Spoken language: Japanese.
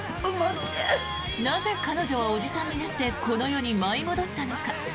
なぜ、彼女はおじさんになってこの世に舞い戻ったのか？